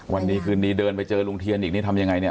วันดีคืนนี้เดินไปเจอลุงเทียนอีกนี่ทำยังไงเนี่ย